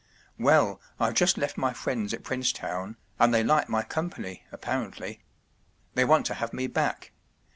“ Well—I’ve just left my friends at Prince town, and they like my company, apparently. They want to have me back.